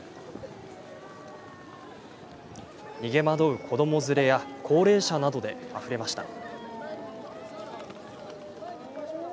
逃げ惑う子ども連れや高齢者などであふれました。